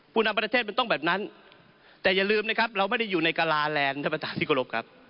นำประเทศมันต้องแบบนั้นแต่อย่าลืมนะครับเราไม่ได้อยู่ในกะลาแรงท่านประธานที่กรบครับ